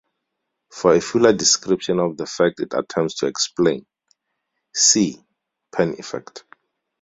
For a fuller description of the fact it attempts to explain see: Penn effect.